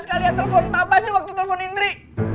sekali kali nyelepon papa sih waktu nyelepon indri